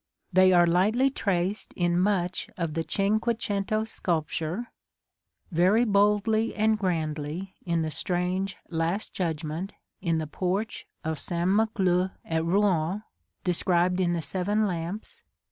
They are lightly traced in much of the cinque cento sculpture; very boldly and grandly in the strange Last Judgment in the porch of St. Maclou at Rouen, described in the "Seven Lamps."